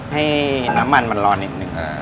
ให้น้ำมันมันร้อนนิดนึง